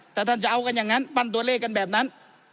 แต่ท่านจะเอาคุณยังกันปั่นตัวเลขกันแบบนั้น